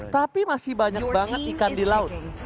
tapi masih banyak banget ikan di laut